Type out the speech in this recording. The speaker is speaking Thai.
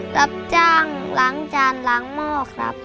รับจ้างล้างจานล้างหม้อครับ